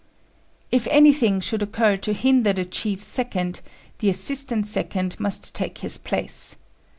If anything should occur to hinder the chief second, the assistant second must take his place.